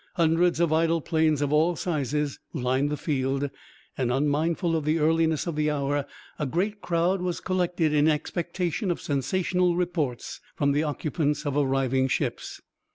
Hundreds of idle planes of all sizes lined the field, and, unmindful of the earliness the hour, a great crowd was collected in expectation of sensational reports from the occupants of arriving ships.